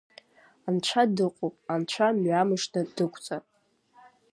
Анцәа дыҟоуп, анцәа мҩамыжда дықәҵа!